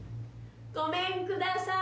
・ごめんください。